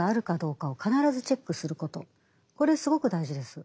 これすごく大事です。